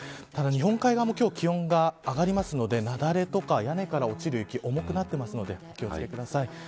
ただ日本海側も今日は気温が上がりますので雪崩や屋根から落ちる雪重くなっているので気を付けてください。